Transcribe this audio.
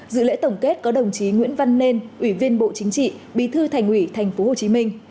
từ lễ tổng kết có đồng chí nguyễn văn nên ủy viên bộ chính trị bí thư thành ủy thành phố hồ chí minh